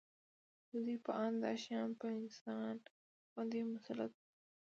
د دوی په اند دا شیان په انسان باندې مسلط وو